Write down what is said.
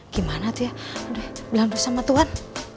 gimana tuh ya aduh bilang dulu sama tuan